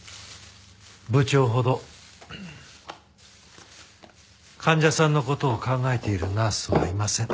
部長ほど患者さんの事を考えているナースはいません。